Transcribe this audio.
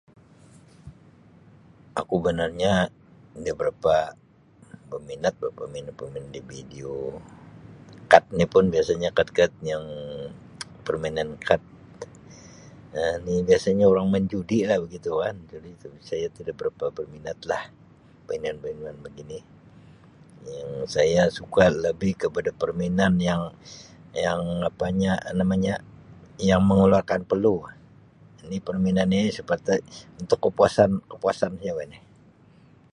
Aku banarnya inda berapa berminat bah permainan-permainan di video. Kad ni pun biasanya kad-kad yang permainan kad Um ni biasanya orang main judi Um begitu kan itu lah itu saya tidak berapa berminat lah mainan-mainan begini, yang saya suka lebih kepada permainan yang-yang apanya namanya yang mengeluarkan peluh, ni permainan ini seperti untuk kepuasan-kepuasan saja bah ni.